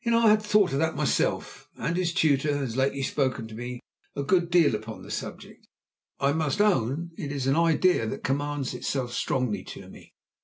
"I had thought of that myself, and his tutor has lately spoken to me a good deal upon the subject. I must own it is an idea that commends itself strongly to me.